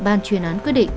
ban chuyên án quyết định